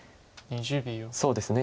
そうですね。